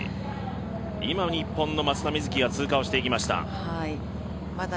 今、日本の松田瑞生が通過していきました。